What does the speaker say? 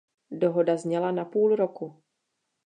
Dohoda zněla na půl roku.